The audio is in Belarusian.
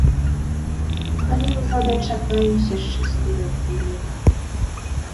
Калі ўжо дачакаюся шчаслівай хвіліны?